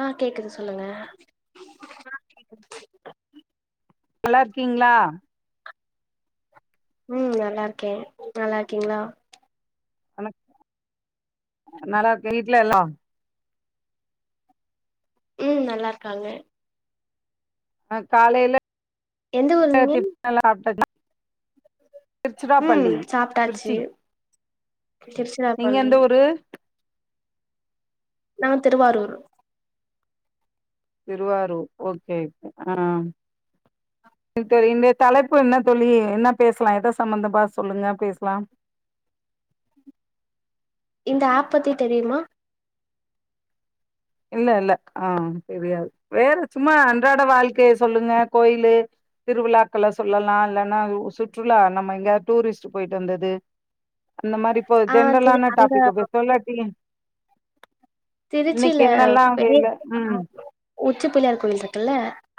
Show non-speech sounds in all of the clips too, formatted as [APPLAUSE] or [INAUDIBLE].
ஆ கேக்குது சொல்லுங்க நல்லா இருக்கீங்களா உ நல்லா இருக்கே நல்லா இருக்கீங்களா [UNINTELLIGIBLE] நல்லா இருக்கே வீட்டுலல்லா உ நல்லாருக்காங்க அ காலைல ஆ எந்த ஊர் நீங்க [UNINTELLIGIBLE] நல்ல சாப்டேனா ம் திருச்சிராப்பள்ளி சாப்ட்டாச்சு திருச்சி நீங்க திருச்சிராப்பள்ளி எந்த ஊரு நா திருவாரூர் திருவாரூர் ஓகே ஆ இந்த தலைப்பு என்ன தொழி என்ன பேசலா எத சம்பந்தமா பேசலா சொல்லுங்க இந்த ஆப் பத்தி தெரியுமா இல்ல இல்ல ஆ தெரியாது வேற சும்மா அன்றாட வாழ்க்கய சொல்லுங்க கோயிலு திருவிழாக்கள சொல்லலா இல்லன்னா சுற்றுலா நம்ம எங்கெயாவது டூரிஸ்ட் போயிட்டு வந்தது அந்த மாரி இப்போ ஆ திரு ஜென்ரலான அங்க டாபிக்க போய் சொல்லாடியு திருச்சில் இல்ல என்னெல்லா பெரிய வேல ம் உச்சி பிள்ளையார் கோவில் இருக்கல்ல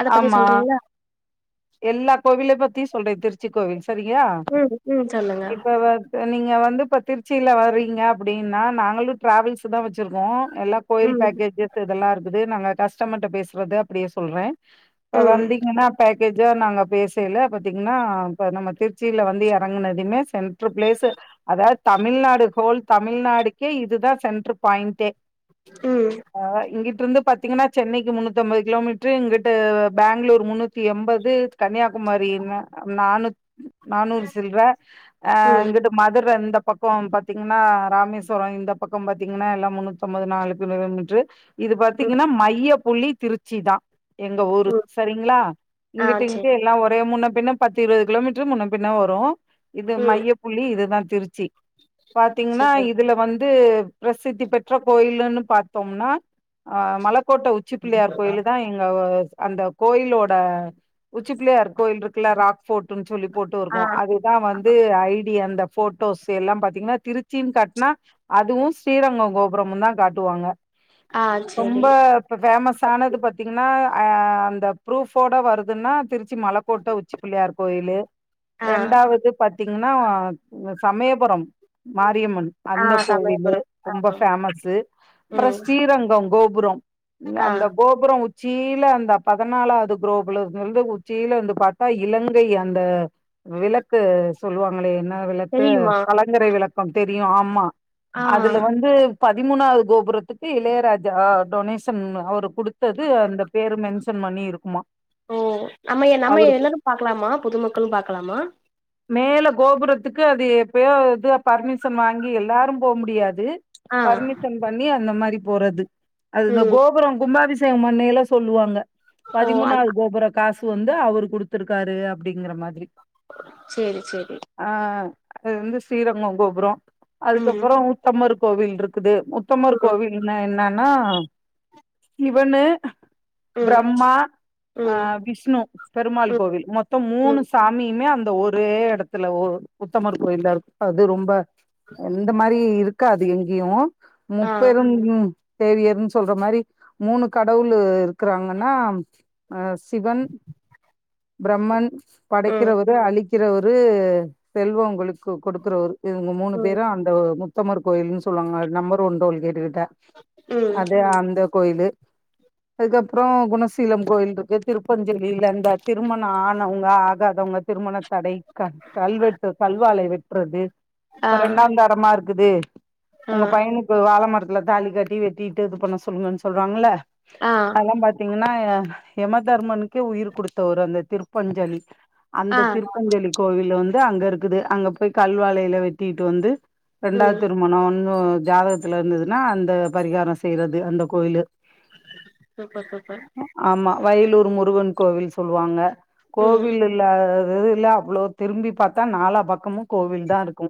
அத பத்தி ஆமா சொல்றீங்களா தி சொல்ரே திருச்சி கோவில்ஸ் சரியா ம் ம் சொல்லுங்க இப்ப வர்து நீங்க வந்து இப்ப திருச்சியில வறீங்க அப்படின்னா நாங்களு டிராவல்ஸ் தா வச்சிருக்கோ எல் கோயில் ம் பேக்கேஜஸ் இதெல்லா இருக்குது நல்லாருக் கஷ்டமட்டர் கிட்ட பேசுறது அப்டியே சொல்ற இப்ப ம் வந்திக்கன்னா பேக் பெஜா நாங்க பேசயில பாத்தீங்கன்னா இப்ப நம்ம திருச்சியில வந்து எறங்குனதுமே சென்ட்ரு பிளேஸ்ஸு அதாவது தமிழ்நாடு ஹோல் தமிழ்நாடுக்கே இதுதா சென்ட்ரு பாயிண்டே ம் அதா இங்கிப் ட்ருந்து பாத்தீங்கன்னா சென்னைக்கு முன்னூத்தி ஐம்பது கிலோமீட்டரு இங்கிட்டு பேங்களூர் முன்னூத்தி எம்பது கன்னியாகுமரி நா நானூத் நானூறு சில்ர அ ம் இங்கிட்டு மதுர இந்தப் பக்கம் பாத்தீங்கன்னா ராமேஸ்வரோ இந்த பக்கம் பாத்தீங்கன்னா எல்லா முன்னூத்தி ஒம்பது நாலு திரு வெங்கட்டு இது ம் பாத்தீங்கன்னா மையப் புள்ளி திருச்சி தா எங்க ஊரு ம் சரிங்களா ஆ இங்கிட்டு இங்க சேரி எல்லா ஒரே முன்ன பின்ன பத்து இருவது கிலோமீட்டரு முன்ன பின்ன வரு இது ம் மைய புள்ளி இதுதான் ச்சி பாத்தீங்கன்னா சேரி இதுல வந் ந்து பிரசித்தி பெற்ற கோயிலுன்னு பாத்தோம்னா ஆ மலக்கோட்ட உச்சிப்புள்ளையார் கோயிலுதா எங்க [UNINTELLIGIBLE] அந்த கோயில் ஓட உச்சிப்புள்ளையார் கோவில் இருக் க்குல ராக் ஃபோட்டுன் சொல்லி போட்டு ஆ இருக்கு அதுதா வந்து ஐ தி அந்த ஃபோட்டோஸ் எல்லாம் பாத்தீங்கன்னா திருச்சின் கட்னா அதுவு ஸ்ரீரங்கோ கோபுரமுந்தா காட் ட்டு வாங்க ஆ சேரி ரொம்ப பே ஃபேமஸ் ஆனது பாத்தீங்கன்னா அ அந்த புரூஃப் ஓட வருதுன்னா திருச்சி மலக்கோட்ட உச்சி புள்ளையார் கோயிலு ஆ ரெண்டாவது பாத்தி என்னனா இந்த சமயபுரம் மாரியம்மன் ஆ அந்த கோவிலு சமயபுரம் ஆ ரொம்ப ஃபேமஸ்ஸு அப்புறோ ம் ஹீரங்கம் கோப் புரோ நீ ஆ அந்த கோபுரம் உச் ச்சியில அந்த பதினாலாவது குரோபலந்து உச்சியில வந்து பாத்தா இலங்கை அந்த விளக்கு சொல்லுவாங்களே என்ன இன்னா விளக்கு தெரியுமா கலைகரை விளக்க தெ ரியு ஆமா ஆ அதுல வந்து பதிமூனாவ கோபுரத்துக்கு இளையராஜா டொனேஷன் அவர் குடுத்தது அந்த பேரு மென்ஷன் பண்ணி இருக்குமா ஓ நம்ம எ நம்ம அவருக்கு எல்லாரு பாக்கலாமா பொதுமக்களு பாக்கலாமா ப்பயோ இது பர்மிஷன் வாங்கி எல்லாரு போ முடியாது ஆ இந்த மாரி போறது அது இந்த ம் கோபுரோ கும்பாபிசே த்து மண்ணேல்லா சொல்லுவாங்க ஓ அந் பதிமூனாவது கோபுர காஸ் து வந்து அவர் குடுத்துருக்காரு அப்பிடிங்கிற மாரி சேரி சேரி அது வந்து ஸ்ரீ ரங்கோ கோபுரோ ம் அதுக்கப்புறோ உத்தமரு கோவில் இருக்குது உத்தமர் ம் கோவில்ன்னா என்ன னா இவன்னு ம் பிரம்மா அ ம் விஷ்ணு பெருமாள் ம் கோவில் மொத்தம் மூனு ம் சாமியுமே அந் த்த ஒரே எடத்துல ஒரு உத்தமர் கோயிலா இருக் அது ரொம்ப எந்த மாரி இரு க்காது எங்கியு ஆ முப்பெரும் தேவியர்ன் சொல்ற மாரி மூனு கடவுள் இருக்கிறாங்கன்னா அ சிவன் பிரம்மன் ம் படைக்கிறவரு அழி கிறவரு செல்வ உங்களுக்கு குடுக்கறவரு து இவுங்க மூனு ம் பேரு அந்த மு உத்தமர் கோயிலுன் சொல்லுவாங்க நம்மர் [UNINTELLIGIBLE] கேட்டு கிட் தா ம் அது அந்த கோயிலு அதுக்கப்புறோ குணசீலம் கோயில் இருக்கு திருப்பஞ்சலில அந்த திருமணோ ஆனவங்க ஆகாதவங்க திருமண தடை கல் கல்வெட்டு கல்வாலை வெட்டுறது ஆ இப்ப ரெண்டாந்தாரமா இருக் க்குது ஆ உங்க பையனுக் வாழ மரத்துல தாலி கட்டி வெட்டிட்டு இது பண்ண சொல்லுங்கன்னு சொல்றாங்கள ஆ அதெல்லாம் பாத்தீங்கன்னா யமதர்மனுக்கே உயிர் குடுத்தவரு அந்த திருப்பஞ்சலி ஆ அந்த திருப்பஞ்சலி கோவில்ல வந் ந்து அங்க இருக்குது அங்க போய் கல்வாலையில வெட்டிட்டு வந்து ரெண்டாவது ம் திருமணோ ஒன் ணோ ஜாதகத் த்துல இருந்ததுன்னா அந்த பரிகாரோ செய்யறது அந்த கோயிலு சூப்பர் சூப்பர் ஆமா வயலூர் முருகன் கோவில் சொல்லுவாங்க ம் கோவில் இல்லாத தததே இல்ல அவ்வளோ திரும்பி பாத்தா நாலா பக்கமு கோவில் தா இருக்கு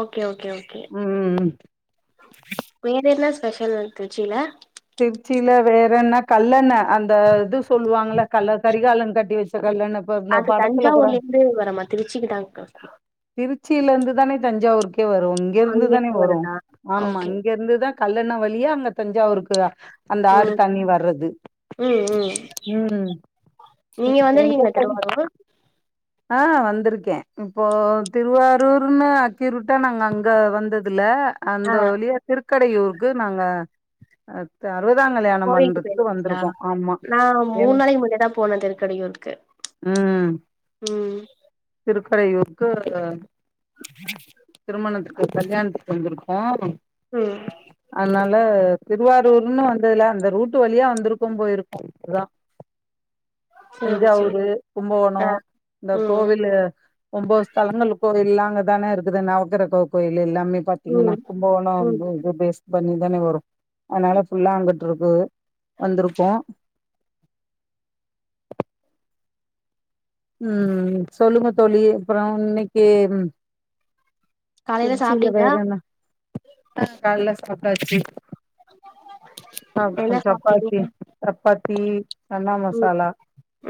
ஓகே ஓகே ஓகே ம் ம் ம் வேற என்னஸ் பெஷல் இருக்கு திருச்சில திருச்சில வேற என்ன கல்லண்ண அந்த இது சொல்லுவாங்கள கல்ல கரிகாலன் கட்டி வெச் அது தஞ்சாவூர்ல இருந்து வறமா திருச்சிக்குதாங்கா திருச்சில இருந்து தானே தஞ்சாவூர்க்கு கே வரும் இங்க இருந்து அங்க தானே வரு வருதா ஆமா ஓகே இங்க இருந்து தா கல்லண்ண வழியா அங்க தஞ்சாவூர்க்கு ஆ அந்த ஆறு ம் தண்ணி வர்றது ம் ம் ம் [INAUDIBLE] நீங்க வந்திருக்கீங்களா திருவாரூர் ஆ வந்துருக்கே இப்போ திருவாரூர்ன்னு அக்கிரூட்டா நாங்க அங்க வந்ததுல்ல அந்த ஆ வழியா திருக்கடையூருக்கு நாங்க அத் அத் [UNINTELLIGIBLE] ஆமா நா என் மூண் நாளைக்கு முன்னாடி தா போன திருக்கடையூருக்கு ம் திருக்கரையூருக்கு திருமணத்துக்கு கல்யாணத்துக்கு வந்துருக்கோ ம் ல்ல திருவாரூர்ன்னா வந்ததுல்ல அந்த ரூட் ரூட் வழியா வந்துருக்கோம் போயிருக்கோ ர சேரி சேரி தஞ்சாவூரு கும்பகோணோ ஆ இந்த ம் கோவில்லு ஒம்போது ஸ்தலங்களுக்கு போக இல்லாங்க தான இருக்குது நவக்கரக்கோ கோயில்லு எல்லா எம்மே பார்த்தீங்கன்னா ம் கும்பகோணம் ம் [UNINTELLIGIBLE] பண்ணி தானே வரு அதனால ஃபுல்லா அங்க ட்ருக்கு வந்துருக்கோ ம் சொல்லுங்க தோழி அப்புறோ இன்னைக்கு காலையில எதுச்ச சாப்ட்டீங்களா வேறனா அ கால்லஸ் சாப்டாச்சு ஆ என்ன சாப்ட்டீங்க சப்பாத்தி சப்பாத் தி சன்னா ம் மசாலா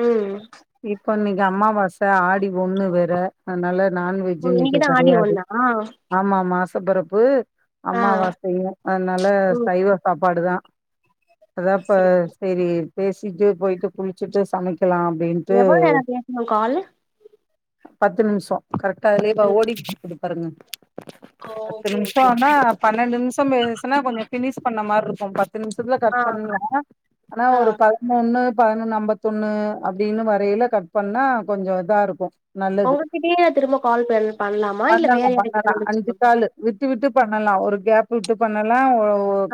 ம் இப்போ நீங்க அம்மா அம்மாவாச ஆடி ஒண்ணு வேற அ நல்லார் ஓ நான்வெஜ்ஜு இன்னிக்கு இன்னைக்குதா ஆடி கெடையாது ஒன்னா ஆமாமாஸ் வருஷ பெறப்பு ஆ அம்மாவாசையு அதனால ம் சைவ சாப்பாடு தா அதா இப்ப சரி சேரி பேசிட்டு போயிட்டு குளுச்சுட்டு சமைக் சமைக்கலா அப்டின்டு எவ்ளோ நேரோ பேசணு கால் பத்து நிமிஷோ கரெக்டா அதுலே பத்து பாவோ நிமி ஓடிட்டு இருக்கு பாருங்க ஓ பத்து ஓகே நிமிஷோ ஓகே ஆனா பன்னெண்டு நிமிஷோ பேசுனா கொஞ்சோ ஃபினிஷ் பண்ண மாதிரி இருக்கு பத்து நிமிஷத்துல ஆ கட் பண்ண ஆனா ஆ ஒரு பதிமூன்னு பதினொன்னு அம்பத்தொன்னு அப்டின்னு வரையில கட் பண்ணா கொஞ்சோ இதா இருக்கு ஒங்ககிட்டயே திரும்ப கால் பண்ணலாமா இல்ல வேற பண்ணலாம் யார்க்கிட்ட வச்சு பண்ல்லாமா பண்லா ஒரு கேப் விட்டு பண்ணலா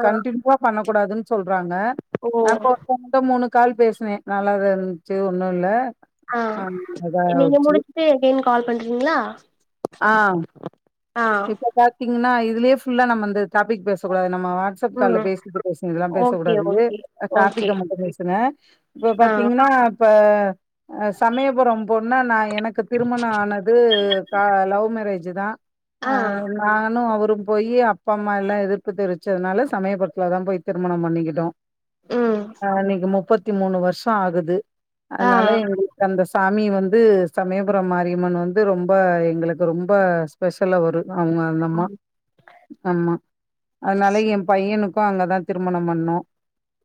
ஆ கண்டிப்பா பண்ண கூடாதுன் சொல் சொல்றாங்க ஓ அப்ப மொத்த மூனுக்கு கால் பேசுனே நல்லா தா இருந்துச்சு ஒன்னு இல்ல ஆ நீங்க முடிச்சுட்டு எப்டின் கால் பண்றீங்ளா ஆ இப்ப பாத்தீங்ன்னா இது இதுலேயே ஃபுல்லா நம்ம இந்த டாபிக் பேசக்கூடாது நம்ம வாட்ஸ்அப் கால்ல ம் பேசுனது பேசுனது இதெல்லா ஓகே பேசக்கூடாது ஓகே ஓகே டாபிக்க மட்டு பேசுங்க இப்ப ஆ பாத்தீங்னா இப்ப சமயபுரோ போனா நா எனக்கு திருமண ஆனது ஆ லவ் மேரேஜு தா ஆ நானு அவரு அப்றோ போய் அப்பா அம்மா எல்லா எதிர்ப்பு தெரிவிச்சதுனால சமயபுரத்தில் தா போய் திருமணம் பண்ணிக்கிட்டோ ம் ஆ இன்னைக்கு முப்பத்து பத்தி மூனு வருஷோ ஆகுது ஆ அதனால எங்களுக்கு அந்த ஸ்கூ சாமி வந்து சமயபுரோ மாரியம்மன் வந்து ரொம்ப அப்ப எங்களுக்கு ரொம்ப ஸ்பெஷல் அவரு அந்த அந்தமா ஆமா அதனால சரி எ பையனுக்கு அப்ப அங்கதா திருமணம் பண்ணோ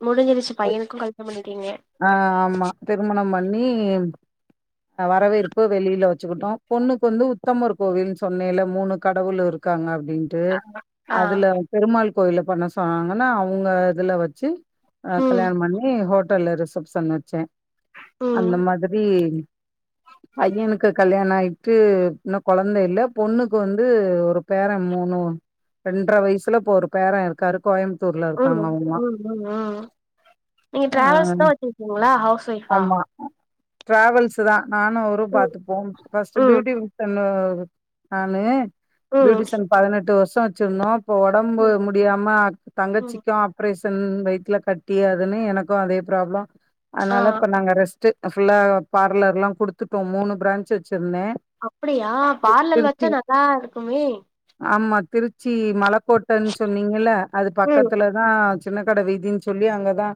முடுஞ்சுருச்சு பையனுக்கு கல்யாணம் பண்ணிட்டீங்க நீம் வரவேற்பு வெளில வெச்சுக்கிட்டோ பொண்ணுக்கு வந்து உத்தமர் கோவில்னு சொன்னேல்ல மூணு கடவுள் இருக்காங்க அப் அப்டின்ட்டு ஆ அதுல பெருமாள் கோயில்ல பண்ண சொன்னாங்கன்னா அவங்க இதுல வெச்சு ஆ ம் கல்யாணம் பண்ணி ஹோட் ஹோட்டல்ல ரிசப்ஷன் வெச்ச ம் அந்த மாதிரி பையனுக்கு கல்யாணோ ஆயி ட்டு இன்னு கொழந்தை இல்ல பொண்ணுக்கு வந்து ஒரு பேர மூணு ரெண்ர வயசுல இப்ப ஒரு பேர இருக்காரு கோயம் ம் ம் ம் ம் நீங்க ஆ டிராவல்ஸ் தா வெச்சிருக்கீங்களா ஹவுஸ் ஒய்ஃபா ட்ராவல்ஸ்சுதா நானு அவரு ம் பாத்துப்போ பஸ் ம் [UNINTELLIGIBLE] [UNINTELLIGIBLE] நானு ம் பியூட்டிஷன் பதினெட்டு வருஷ் ட்டா வெச்சுருந்தோ இப்ப ஒடம்பு ம் முடியாம ம் தங்கச்சிக்கு அப்ரேஷ் ட்டுன் வயித்துல கட்டி அதுன்னு எனக்கு அதே பிராபுளோ ஆ அதனால இப்ப நாங்க ரெஸ் ட்டு ஃபுல்லா பார்லர் எல்லா குடுத்துட்டோ மூணு பிரான்ச் வெச்சு அப்டியா பார்லல் திருச்சி வெச்சா நல்லா இருக்குமே திருச் ச்சி மலக்கோட்டன் சொன்னீங்கள்ல அது ம் பக்கத்துலதா வெச்சு சின்ன கட வீதின் சொல்லி அங்கதா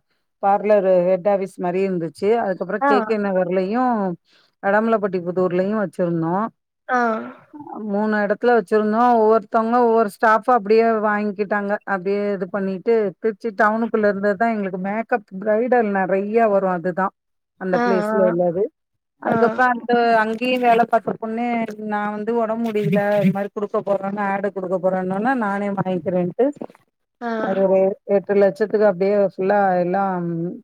பார்லரு ஹெட் ஆஃபிஸ் மாரி இருந்து ச்சு அதுக்கப்புறோ ஆ கேக்கே நகர்லையும் அடம்பல பட்டி போ ஊர்லயு வெச்சுருந்தோ ஆ மூணு எடத் த்துல வெச்சுருந்தோ ஒவ்வொருத்தவங்க ஒவ்வொரு ஸ்டாஃபு அப்டியே வாங்கிட்டாங்க அப்டியே இது பண்ணிட்டு திருச்சி டவுனுக்குள்ள இருந்து தா எங்களுக்கு மேக்கப் பிரரைடல் நறையா வரு அதுதா அந்த ஆ ஆ பிளேஸ்ல உள்ளது ஆ அதுக்கப்புறோ அந்த அங் ங்கேயு வேல பாத்த பொண்ணு நா வந்து ஒடம்பு முடியல இது மாரி குடுக்கப் போறேன்னு ஆடு குடுக்கப்போறேன்னவுட்னே நா னே வாங்க்கிறேன்ட்டு ஆ ஒரு வே எ ட்டு லட்சத்துக்கு அப்டியே ஃபுல்லா எல்லா ம்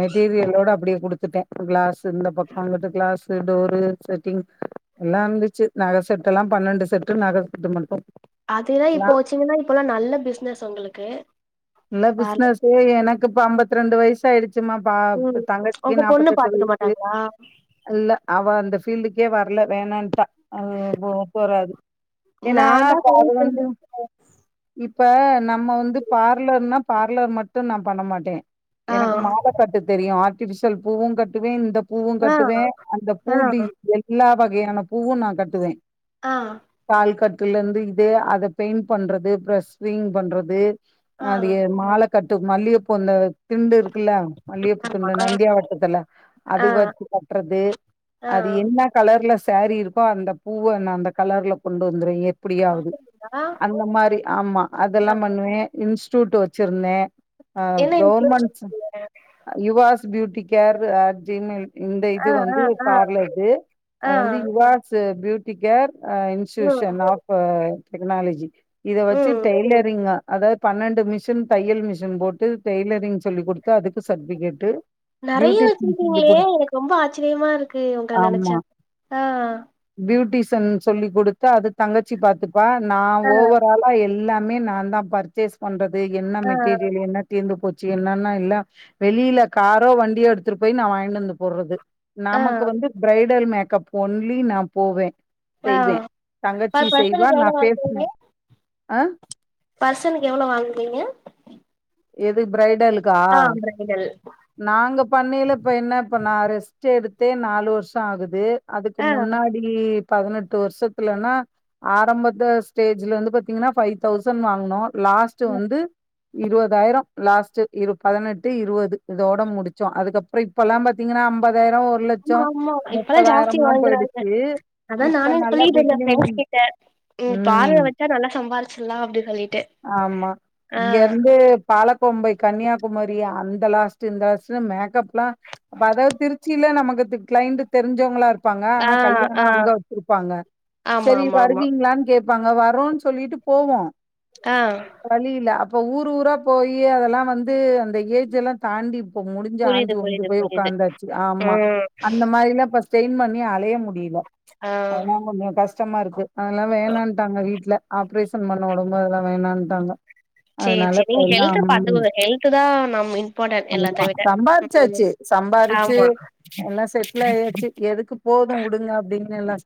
மெட்டீரியலோட அப்படியே குடுத்துட்டே கிளாஸு இந்தப் பக்கோ அங்கிட்டு கிளாஸு டோரு செட்டிங் எல்லா இருந்துச்சு நக செட்டு எல்லா பன்னெண்டு செட்டு நக செட்டு மட்டு அது எல்லா இப்போ வச்சீங்கன்னா இப்பல்லா நல்ல பிசினஸ் உங்களுக்கு இல்ல பார்லர் பிசினஸு எனக்கு இப்ப அம்பத் ரெண்டு வயசாயிடு ச்சும்மா பா இப்ப ம் தங்கச்சிக்கி உங்க பொண்ணு நாப்பத்தெட்டு பாத்துக்க வயசு மாட்டாங்களா எல்லா அவ அந்த ஃபீல்டுக்கே வரல வேணான்ட்டா அது இப்போ ஒத்து வராது ஏன்னா நா தா இப்ப அது சொல்லிட்டு வந்து இருந்தே இப் இப்ப நம்ம வந்து பா ர்லர்னா பார்லர் மட்டு நா பண்ண மாட்டே ஆ எனக்கு மால கட்டு தெரியு ஆ பிவிசல் பூவு கட்டுவே இந்த பூவு ஆ கட்டுவே அந்த பூ ஆ டி எல்லா வ கையான பூவு நா கட்டுவே ஆ பால் கட் க்ல இருந்து இதே அத பெயிண்ட் பண்றது அப்ற ஸ்விங் பண்றது ஆ அது ஏ மால கட்டு மல்லியப் பூ அந்த திண்டு இரு க்ல்ல மல்லியப்பூ ஆமா திண்டு நந்தியா வட்டத்துல அது ஆ வச்சு கட்றது ஆ அது என்ன கலர்ல சாரீ இருக்கோ அந்த பூவ நா அந்த கலர்ல கொண்டு வந்துருவே எ ப்பிடியாவது அப்டிங்களா அந்த மாரி ஆமா அதெல்லா பண்ணுவே இன் சூட்டு வச்சிருந்தே ஆ என்ன யூடியூப் கவுர்மெண்ட்ஸ் வச்சிருக்கீங்க யுவாஸ் ச் பியூட்டி கேர் அப்டின்னு இந்த ஆ இது ஆ வந்து ஆ பார்லர்து ஆ அது வந்து இவாஸு பியூட்டி கேர் ஆ ம் இன்ஸ்சூஷன் ஆஃபு டெக்னாலஜி இத வச்சு ம் டெய்லரிங்க அதாவது பன்னெண் இந்த மிஷின் தையல் மிஷின் போட்டு டெய்லரிங் சொல்லி குடுத்து அதுக்கு சர்டிபிகேட்டு நறையா பியூட்டிஷியன் சொல்லி வெச்சுருக்கீங்களே குடு எனக்கு ரொம்ப ஆச்சரியமா இருக்கு உங்கள நெனச்சா ஆமா ஆ த்தன் சொல்லி குடுத்து அது தங்கச்சி பாத்துட் வா நா ஆ ஓவராலா எல்லாம் எல்லாமே நாந்தா பர்ச்சேஸ் பன்றது து என்ன ஆ மெட்டீரியலு என்ன தீர்ந்து போச் ச்சு என்னன்னா இல்ல வெளியில காரோ வண்டியோ எடுத்துட்டு போய் நா வாங்கின்னு வந்து போடுறது ஆ நமக்கு வந்து பிரைட் டல் மேக்கப் ஒன்லி நா போவே ஆ செய்வே தங்கச்சி பர் செய்வா பர்சனுக்கு நா எவ்ளோ பேசுன வாங்குவீங்க ஆ பர்சனுக்கு எவ்ளோ வாங்குனிங்க எது பிரைட் டல்லுக்கா நாங்க பண்ணயில இப்ப என்ன இப்ப நா ரெஸ்ட் எடுத் இதே நாலு வருஷோ ஆகுது அதுக்கு ஆ முன்னாடி பதுனெட்டு வருஷத்துலன்னா ஆரம்பத்த ஸ்டேஜ்ல வந்து பாத்தீங்கீன்னா ஃபைவ் தௌசண்ட் வாங்குனோ லாஸ்ட்டு ம். வந்து இருவத் த்தாயிரோ லாஸ்டு இரு பதுனெட்டு இருவது இதோட முடுச்சோ அதுக்கப்புறோ இப்பல்லாம் பாத்தீங்கீன்னா ஐம்பது ஆமா ஆமா இப்பதா ஜாஸ்தி வாங்குறாங்க போயிடுச்சு. அதா இப்ப நானே நல்லா சொல்லிட்டு இருந்தே பிகினிங் ஃரெண்ட்ஸ் கிட்ட ஏ ம். பார்லர் வெச்சா நல்லா சம்பாருச்சுர்லா அப்டி சொல்லிட்டு ஆ அ கொம்பை கன்னியாகுமரி அந்த லாஸ்டு இந்த லாஸ்டு மேக்கப்லா பதக் திருச்சில நமக்குத்துக் கிளையிண்டு தெருஞ்சவங்களா இரு க் ப்பாங்க ஆ ஆனா கல்யாணோ ஆ அங்க வெச்சேருப்பாங்க ஆமா சேரி ஆமா ஆமா வருவீங்களான் கேப் வாங்க வரோன் சொல்லிட்டு போவோ ஆ வேற வழி இல்ல அப் இப்ப ஊர் ஊராப் போயி அதெல்லா வந்து அந் அந்த ஏஜ் எல்லா தாண்டி இப்போ முடுஞ்சு புரியுது ஆஞ்சு ஒஞ்சு புரியுது போய் புரியுது உக்காந்தாச்சு ஆமா ம் அந்த மாரில்லா பஸ் ஸ்டெயின் பண்ணி ஆலய முடி முடில ஆ அதா கொஞ்சோ கஷ் கூச்சமா இருக்கு அதெல்லாம் வேண்டாட்டாங்க வீட்டு்ல ஆப்ரேஷன் பண்ண உடம்பு இதெல்லா வேணான்ட்டாங்க அதனால சேரி இப்ப எல்லாம் ஹெல்த ஆமா பாத்துக்கோங்க ஹெல்து தான் நம்மக்கு இம்பார்ட்டன் எல்லாத்த விட சம்பாரிச்சாச்சு சம்பாரிச்சு ஆமா எல்லா செட்டில் ஆயாச்சு எதுக்கு போதும் விடுங்க அப்படின்னு எல்லாம்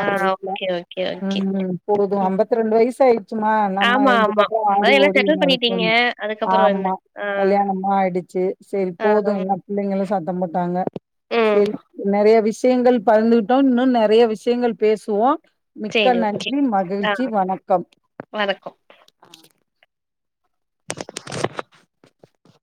ஆ வீட்டுல ஓகே ஓகே ஓகே உம் போதும் ம் ஐம்பத்தி ரெண்டு வயசு ஆயிடுச்சுமா நம்ம ஆமா ஆமா இதுக்கப்புறம் அதா ஆடி எல்லா ஓடி செட்டில் பண்ணிட்டீங்க அதுக்கப்புறோ என்ன ஆமா ஆ கல்யாணும் ஆயிடுச்சு சரி ஆ போதும் எல்லா பிள்ளைங்களும் சத்தம் போட்டாங்க ம் சரி நிறைய விஷயங்கள் பகிர்ந்துகிட்டோம் இன்னும் நிறைய விஷயங்கள் பேசுவோம் மிக்க சேரி ஓகே நன்றி ஆ மகிழ்ச்சி வணக்கம் வணக்கம் [INAUDIBLE]